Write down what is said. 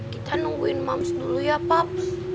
kita nungguin mams dulu ya pap